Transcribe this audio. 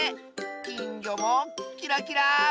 きんぎょもキラキラー！